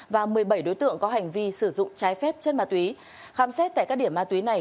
và một mươi bảy đối tượng có hành vi sử dụng trái phép chất ma túy khám xét tại các điểm ma túy này